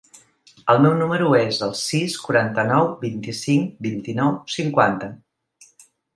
El meu número es el sis, quaranta-nou, vint-i-cinc, vint-i-nou, cinquanta.